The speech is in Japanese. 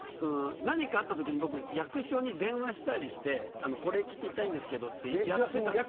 何かあったときに僕は役所に電話したりしてこれを聞きたいんですけどってやったり。